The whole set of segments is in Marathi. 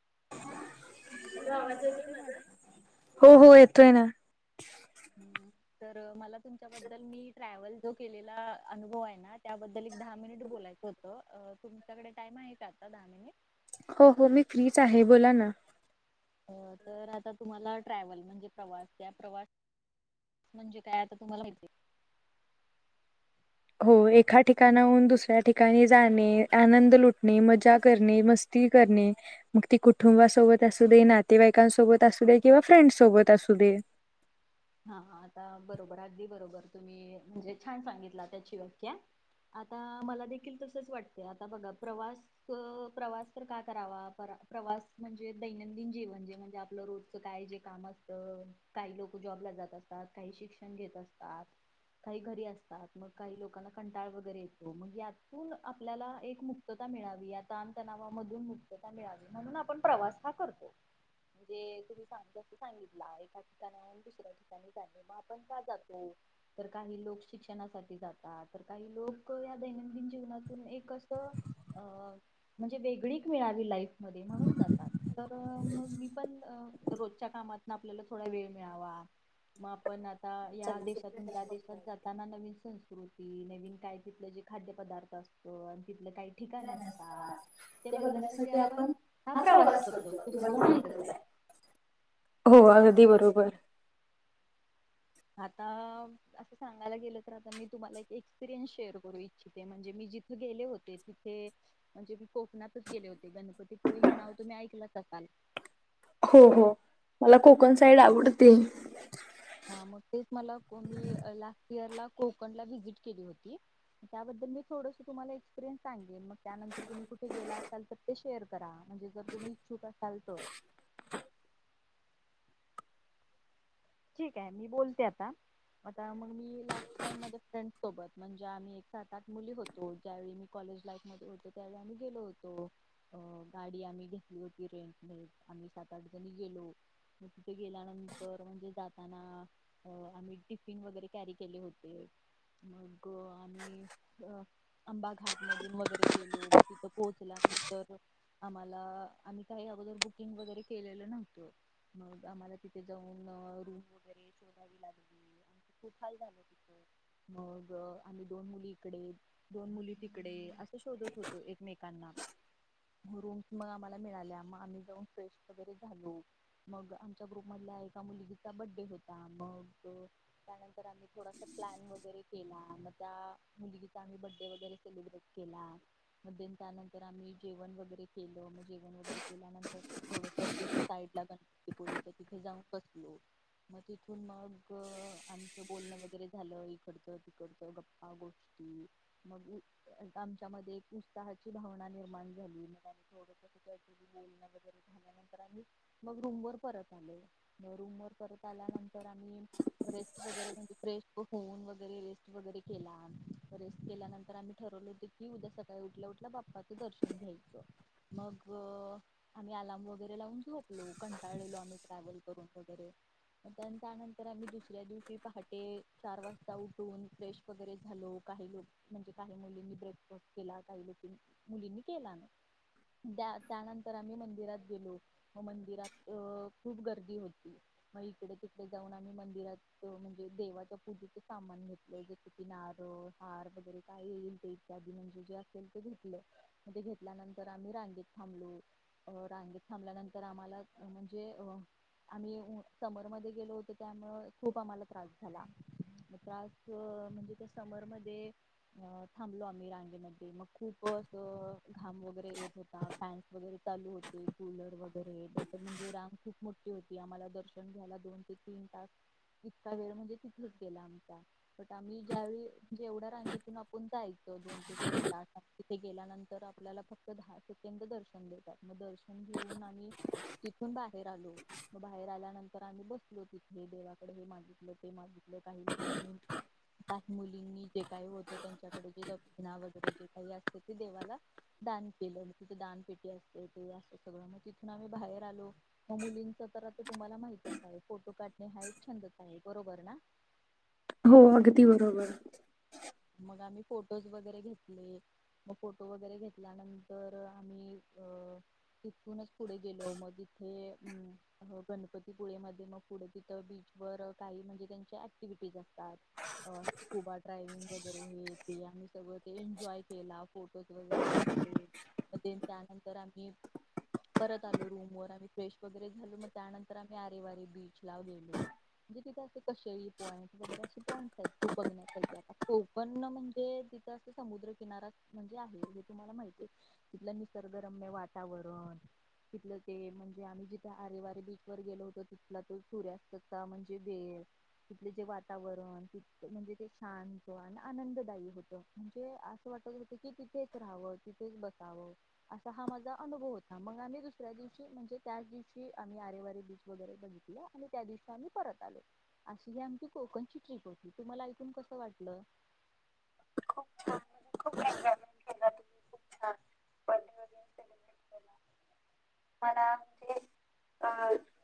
[inaudible] हॅलो आवाज येतोय माझा हो हो येतोय ना. तर मला तुमच्याबद्दल मी ट्रॅव्हल जो केलेला अनुभव आहे ना त्याबद्दल एक दहा मिनिट बोलायचं होतं तुमच्याकडे टाइम आहे का आता दहा मिनिट? हो हो मी फ्रीच आहे बोला ना. अ तर आता तुम्हाला ट्रॅव्हल म्हणजे प्रवास त्या प्रवास म्हणजे काय आता तुम्हाला माहिती आहे. हो एका ठिकाणाहून दुसऱ्या ठिकाणी जाणे आनंद लुटणे मजा करणे मस्ती करणे मग ती कुटुंबासोबत असू दे नातेवाईकांसोबत असू दे किंवा फ्रेंड सोबत असू दे. हा आता बरोबर अगदी बरोबर तुम्ही म्हणजे छान सांगितला त्याची व्याख्या आता मला देखील तसच वाटते आता बघा प्रवास प्रवास तर का करावा प्रवास म्हणजे दैनंदिन जीवन जे म्हणजे आपलं रोजच काय जे काम असतं काही लोक जॉब ला जात असतात काही शिक्षण घेत असतात काही घरी असतात मग काही लोकांना कंटाळ वगैरे येतो मग यातून आपल्याला एक मुक्तता मिळावी या ताण तणावा मधून मुक्तता मिळावी म्हणून आपण प्रवास हा करतो म्हणजे तुम्ही जसं सांगितला एका ठिकाणाहून दुसऱ्या ठिकाणी आपण का जातो तर काही लोक शिक्षणासाठी जातात तर काही लोक या दैनंदिन जीवनातून एक असं अ म्हणजे वेगळीक मिळावी लाईफ मध्ये म्हणून जातात तर मग मी पण रोजच्या कामातनं आपल्याला थोडा वेळ मिळावा मग आपण आ या देशातून त्या देशात जाताना नवीन संस्कृती नवीन काही तिथलं जे खाद्य पदार्थ असतील ते बघण्यासाठी आपण हा प्रवास करतो तुम्हाला माहितच आहे हो अगदी बरोबर. आता असं सांगायला गेलं तर आता मी तुम्हाला एक एक्सपिरियन्स शेअर करू इच्छिते म्हणजे मी जिथे गेले होते तिथे म्हणजे मी कोकणातच गेले होते गणपतीपुळे हे नाव तुम्ही ऐकलंच असाल? हो हो मला कोकण साईड हा आवडते. हा मग तेच मला मी लास्ट इयर ला कोकणला व्हिजिट केली होती त्याबद्दल मी थोडस तुम्हाला एक्सपिरियन्स सांगेन मग त्यानंतर तुम्ही कुठे गेला असाल तर ते शेअर करा म्हणजे जर तुम्ही इच्छुक असाल तर? ठीक आहे मी बोलते आता आता मग मी लास्ट टाइम माझ्या फ्रेंड सोबत म्हणजे आम्ही एक सात आठ मुली होतो ज्यावेळी मी कॉलेज लाईफ मध्ये होतो त्यावेळी आम्ही गेलो होतो अ गाडी आम्ही घेतली होती रेंट ने आम्ही सात आठ जणी गेलो मग तिथे गेल्यानंतर म्हणजे जाताना आम्ही टिफिन वगैरे कॅरी केले होते मग आम्ही आंबा घाटमधून वगैरे गेलो मग तिथं पोहचल्या नंतर आम्हाला आम्ही काही अगोदर बुकिंग वगैरे केलेलं नव्हतं मग आम्हाला तिथे जाऊन रूम वगैरे शोधावी लागली आमचे खूप हाल झाले तिथे मग आम्ही दोन मुली इकडे दोन मुली तिकडे असं शोधत होतो एकमेकांना रूम्स मग आम्हाला मिळाल्या मग आम्ही जाऊन फ्रेश वगैरे झालो मग आमच्या ग्रुप मधल्या एका मुलगी बड्डे होता मग त्यानंतर आम्ही थोडासा प्लॅन वगैरे केला मग त्या मुलगीचा आम्ही बड्डे वगैरे सेलब्रेट केला मग त्यानंतर आम्ही जेवण वगैरे केलं मग जेवण वगैरे केल्यानंतर थोडस बीच साईड ला पण पुढे तिथं जाऊन बसलो. मग तिथून मग आमचं बोलणं वगैरे झालं इकडचं तिकडच गप्पा गोष्टी मग आमच्या मध्ये उत्साहाची भावना निर्माण झाली मग आमचं थोडसं त्याच्यावरती ऍक्च्युली बोलण वगैरे झाल्यानंतर आम्ही मग रूम वर परत आलो रूम वर परत आल्यानंतर आम्ही रेस्ट वगैरे म्हणजे फ्रेश होऊन वगैरे रेस्ट वगैरे केला रेस्ट केल्यानंतर आम्ही ठरवलं होते की उद्या सकाळी उठल्या उठल्या बाप्पाचं दर्शन घ्यायचं मग आम्ही अलार्म वगैरे लावून झोपलो कंटाळलेलो आम्ही ट्रॅव्हल करून वगैरे त्यानंतर आम्ही दुसऱ्या दिवशी पहाटे चार वाजता उठून फ्रेश वगैरे झालो काही लोक म्हणजे काही मुलींनी ब्रेकफास्ट केला काही लोक मुलींनी केला नाही त्या त्यानंतर आम्ही मंदिरात गेलो मंदिरात खूप गर्दी होती. मग इकडे तिकडे जाऊन आम्ही मंदिरात म्हणजे देवाच्या पूजेच सामान घेतलं जस कि नारळ हार वगैरे काय येईल ते इत्यादी म्हणजे जे असेल ते घेतलं ते घेतल्यानंतर आम्ही रांगेत थांबलो रांगेत थांबल्यानंतर आम्हाला म्हणजे अ आम्ही समरमध्येध्ये गेलो होतो त्यामुळे खूप आम्हाला त्रास झाला मग त्रास म्हणजे त्या समरमध्ये अ थांबलो आम्ही रांगेमध्ये मग खूप असं घाम वगैर येत होता पॅन्ट वगैरे चालू होते कूलर वगैरे जसं म्हणजे रांग खूप मोठी होती आम्हाला दर्शन दर्शन घ्यायला दोन ते तीन तास इतका वेळ म्हणजे तिथच गेला आमचा. आता आम्ही ज्यावेळी जेवढ्या रांगेतून आपण जायचो दोन ते तीन तास तिथे गेल्यानंतर आपल्याला फक्त दहा सेकंद दर्शन देतात. मग दर्शन घेऊन आम्ही तिथून बाहेर आलो मग बाहेर आल्यानंतर तर आम्ही बसलो तिथे हे देवाकडे हे मागितलं ते मागितलं. आपल्या काही लोकांनी काही मुलींनी जे काही होतं त्यांच्याकडे जे दक्षिणा वगैरे जे काही असते ते देवाला दान केलं तिथे दानपेटी असते ते असं सगळं मग तिथून आम्ही बाहेर आलो मग मुलींच तर आता तुम्हाला माहित फोटो काढणे हा एक छंदच आहे बरोबर ना? हो अगदी बरोबर. मग आम्ही फोटोज वैगेरे घेतले, मग फोटो वगैरे घेतल्यानंतर आम्ही अ तिथूनच पुढे गेलो मग तिथे म गणपतीपुळे मध्ये मग पुढे तिथं बीचवर काही म्हणजे त्याच्या ऍक्टिव्हटीज असतात, स्कुबा ड्रायंविंग वगैरे हे ते आम्ही सगळं ते एन्जॉय केला फोटोज वगैरे घेतले, म ते त्यानंतर आम्ही परत आलो रूम वर आम्ही फ्रेश वगैरे झालो मग त्यानंतर आम्ही आरेवारे बीच ला गेलो, म्हणजे तिथे असे कशेरी पॉईंट वगैरे असे पॉइंट्स आहेत खूप बघण्यासाठी आता कोकण म्हणजे तिथं असं समुद्रकिनाराच म्हणजे आहे, हे तुम्हाला माहिती आहे, तिथलं निसर्गरम्य वातावरण तिथलं ते म्हणजे आम्ही जिथे आरेवारे बीच वर गेलो होतो तिथला तो सूर्यास्तचा म्हणजे वेळ, तिथले जे वातावरण तिथ म्हणजे ते शांत तो आणि आनंददायी होतं, म्हणजे असं वाटत होतं की तिथेच राहावं तिथेच बसावं असा हा माझा अनुभव होता, मग आम्ही दुसऱ्या दिवशी म्हणजे त्याच दिवशी आम्ही आरेवारे बीच वगैरे बघितलं आणि त्या दिवशी आम्ही परत आलो, अशी ही आमची कोकणची ट्रिप होती तुम्हाला ऐकून कसं वाट लं खूप छान खूप एनजॉयमेंट केलं. सेलिब्रेट केला मला ते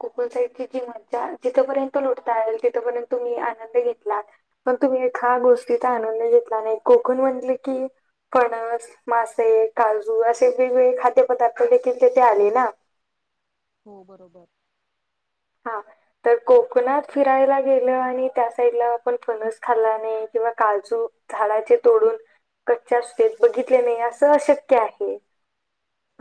कोकण साइडची जी मज्जा जिथपर्यंत लुटता येइल तिथपर्यंत तुम्ही आनंद घेतलात, पण तुम्ही एखा गोष्टीचा आनंद घेतला नाही कोकण म्हणले कि फणस, मासे, काजू असे वेगवेगळे खाद्य पदार्थ देखील तिथे आले ना! हो बरोबर. हा, तर कोकणात फिरायला गेलं आणि त्या साईडला आपण फणस खाल्ला नाही किंवा काजू झाडाचे तोडून कच्चे असतेत बघितले नाही असं अशक्य आहे,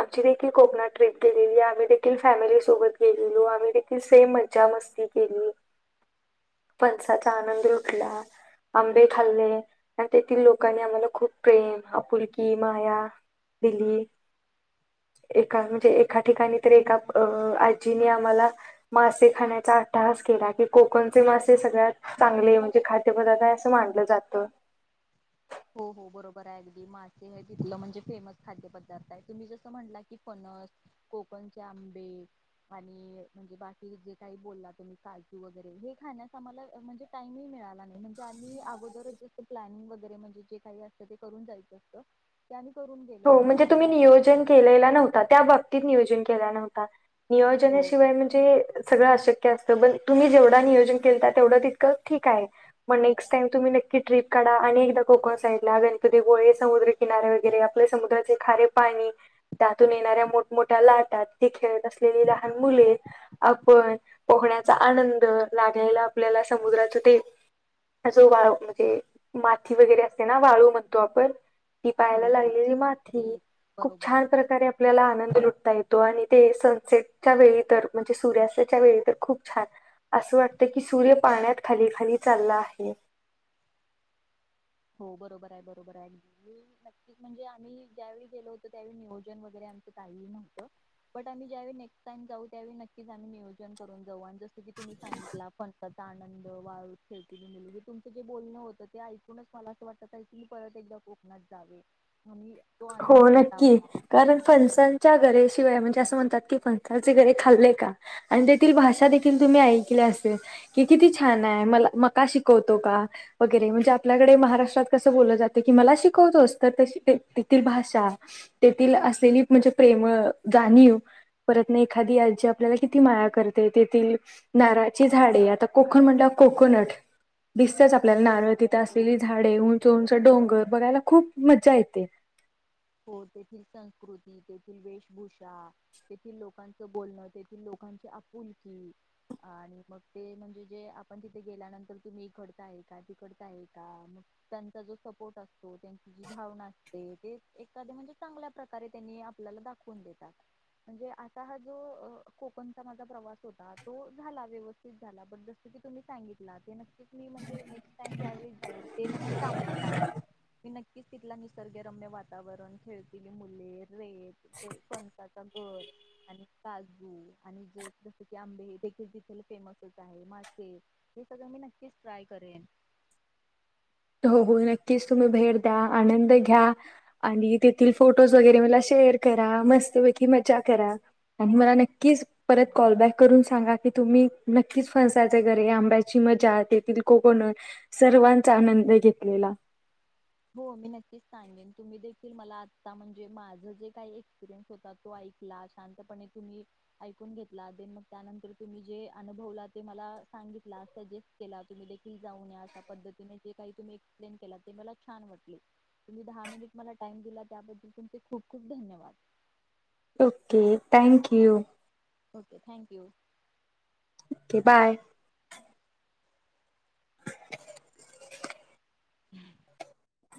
आमची देखील कोकणात ट्रीप गेलेली, आम्ही देखील फॅमिलीसोबत गेलेलो आम्ही दे ती सेम मज्जा मस्ती केली, फणसाचा आनंद लुटला, आंबे खाल्ले आणि तेथील लोकांनी आम्हाला खूप प्रेम, आपुलकी माया दिली, एका म्हणजे एका ठिकाणी तर एका अ आजीने आम्हाला मासे खाण्याचा अट्टहास केला, की कोकणचे मासे सगळ्यात चांगले म्हणजे खाद्यपदार्थ आहे असं मानलं जातं. हो हो बरोबर आहे, अगदी मासे हे तिथलं म्हणजे फेमस खाद्य पदार्थ आहे, तुम्ही जसं म्हणला कि फणस कोकणचे आंबे आणि म्हणजे बाकी जे काही बोलला तुम्ही काजू वगैरे हे खाण्यास आम्हाला म्हणजे टाईम ही मिळाला नाय म्हणजे आम्ही अगोदर जस प्लॅनींग बग तरी म्हण की काय असलं ते करून जायचं असतं, ते आणि हो, म्हणजे तुम्ही नियोजन केलेला नव्हता, त्याबाबतीत नियोज जन केला नव्हता. हो ब नियोजनाशिवाय म्हणजे सगळं अशक् की असत जर, तुम्ही जेवढ नियोजन केलता तेवढं तितकं ठीक आहे, म नेक्स्ट टाइम तुम्ही नक्की ट्रिप काढा आणि एकदा कोकण साईडला गणपती गोळे समुद्र किनारे वगैरे ते समुद्राचे खारे पाणी, त्यातून येणाऱ्या मोठमोठ्या लाटा ती खेळत असलेली लहान मुले, आपण पोहण्याचा आनंद लागलेला आपल्याला समुद्राचं ते जो वाळ म्हणजे माती वगैरे असते ना वाळू म्हणतो आपण ती पाहायला हो हो लाग माथी. ते खूप बरोबर छान प्रकारे आपल्या आनंद आता येतो. आणि ते, सनसेटच्या वेळी तर म्हणजे सूर्यास्ताच्या वेळी तर खूप छान असं वाटत ते की सूर्य पाण्यात खाली खाली चालला आहे. बरोबर हाय, बरोबर हाय ज्यावेळी गेलो होतो, त्यावेळी नियोजन वगैरे काय नव्हतं. बट आम्ही नेक्स्ट टाइम जाऊ त्यावेळी नियोजन करून जाऊ. कि तुम्ही सांगितला फण आनंद वाळू खेळती बे तुमचं जे बोलणं होंत ते मला असं वाटत आहे की एकदा कोकणात जावे. आणि तो हो आनंद लुटावा नक्की कारण फणसाच्या गऱ्याची शिवाय म्हणजे असं म्हणतात की फणसाचे गरे खाल्ले का? आणि तेथील भाषा देखील तुम्ही ऐकल्या असेल, की किती छान आहे. म मका शिकवतो का? वगैरे म्हणजे आपल्याकडे महाराष्ट्रात कसं बोललं जातं कि मला शिकवतोस? तस ते तेथील भाषा तेथील असलेली म्हणजे प्रेम जाणीव परत नाही. एखादी आजी आपल्याला किती माया करते. तेथील नारळाची झाडे आता कोकण म्हटलं कोकोनट दिसतच आपल्याला नारळ तिथं असलेली झाडे उंच उंच डोंगर बघायला खूप मज्जा येते. हो तेथील संस्कृती तेथील वेशभूषा तेथील लोकांच बोलणं तेथील लोकांची आपुलकी, आणि मग ते म्हणजे जे आपण तिथे गेल्यानंतर तुम्ही इकडचा आहे का तिकडचा आहे? का मग त्यांचा जो सपोर्ट अस त्यांची जी भावना असते. एक [inaudible] एखादं म्हणजे चांगल्या प्रकारे त्यांनी आपल्याला दाखवून देतात. म्हणजे आता हा जो कोकणचा माझा प्रवास होता. तो झाला व्यवस्थित झाला पण जस की तुम्ही सांगितलात, ते नक्कीच मी म्हणजे नेक्स्ट टाईम ज्या वेळेस जाईल, ते नक्की अंमलात आणीन. मी नक्कीच तिथला निसर्गरम्य वा वातावरण खेळतीली मुले, रेत, फणसाचा गर आणि काजू आणि जस की आंबे देखील तिथे फेमसच आहे. मासे हे सगळं मी नक्कीच ट्राय करेन. हो हो नक्कीच तुम्ही भेट द्या. आनंद घ्या आणि तेथील फोटोज वगैरे मला शेअर करा मस्तपैकी मज्जा करा. आणि मला नक्कीच परत कॉल बॅक करून सांगा की, तुम्ही नक्कीच फणसाचे गर, आंब्याची मजा तेथील कोकण सर्वांचा आनंद न घेतलेला हो मी नक्कीच सांगेन तुम्ही दिलं मला आता म्हणजे माझं जे काही एक्सपिरियन्स होता तो ऐकला शांतपणे तुम्ही ऐकून घेतला मग त्यानंतर तुम्ही जे अनुभवला ते मला सांगितला सजेस्ट केला तुम्ही देखील जाऊन या अशा पद्धतीने जे काही तुम्ही एक्सप्लेन केला ते मला छान वाटले तुम्ही दहा मिनिट मला टाइम दिला त्याबद्दल तुमचे खूप खूप धन्यवाद. Okay thank you. Okay thank you. Okay bye. [inaudible]